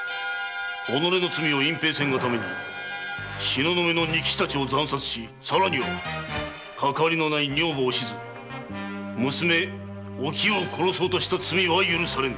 己の罪を隠蔽せんがために東雲の仁吉達を惨殺し更にはかかわりない女房・お静娘・お清を殺そうとした罪は許されぬ！